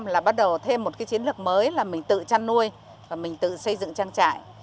hai nghìn năm là bắt đầu thêm một chiến lược mới là mình tự chăn nuôi và mình tự xây dựng trang trại